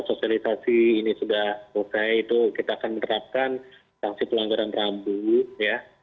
masa sosialisasi ini sudah selesai itu kita akan menerapkan sanksi pelonggaran rabu ya